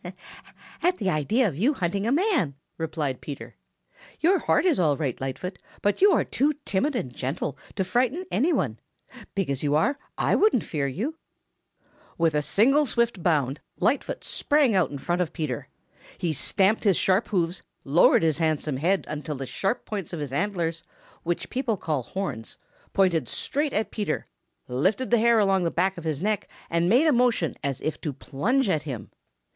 "At the idea of you hunting a man," replied Peter. "Your heart is all right, Lightfoot, but you are too timid and gentle to frighten any one. Big as you are I wouldn't fear you." With a single swift bound Lightfoot sprang out in front of Peter. He stamped his sharp hoofs, lowered his handsome head until the sharp points of his antlers, which people call horns, pointed straight at Peter, lifted the hair along the back of his neck, and made a motion as if to plunge at him.